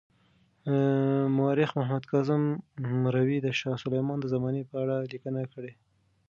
مورخ محمد کاظم مروي د شاه سلیمان د زمانې په اړه لیکنه کړې.